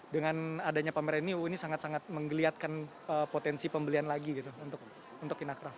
dengan adanya pameran ini ini sangat sangat menggeliatkan potensi pembelian lagi untuk inakraft